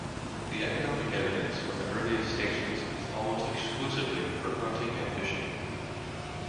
The economic evidence from the earliest stages is almost exclusively from hunting and fishing.